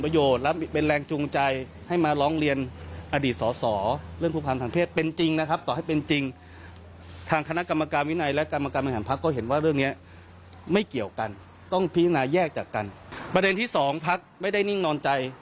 ประเด็นที่สองพักไม่ได้นิ่งนอนใจ